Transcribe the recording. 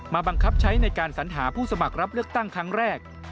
บังคับใช้ในการสัญหาผู้สมัครรับเลือกตั้งครั้งแรก